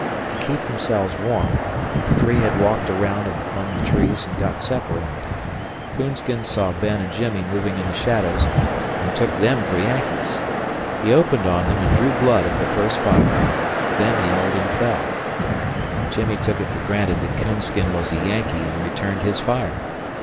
To keep themselves warm, the three had walked around among the trees and got separated. "Coonskin" saw Ben and Jimmie moving in the shadows and took them for Yankees. He opened on them and drew blood at the first fire. Ben yelled and fell. Jimmie took it for granted that "Coonskin" was a Yankee and returned his fire.